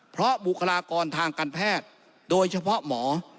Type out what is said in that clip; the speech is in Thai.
เพราะบุคลากรทางการแพทย์โดยเฉพาะหมอ